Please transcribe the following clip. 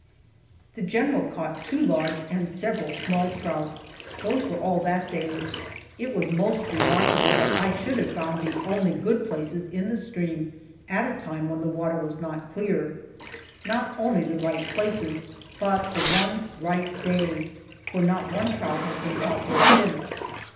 The general caught two large and several small trout those were all that day. It was most remarkable that I should have found the only good places in the stream at a time when the water was not clear. Not only the right places, but the one right day, for not one trout has been caught there since.